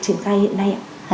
triển khai hiện nay ạ